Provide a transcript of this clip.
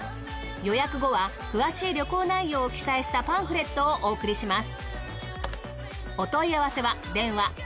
予約後は詳しい旅行内容を記載したパンフレットをお送りします。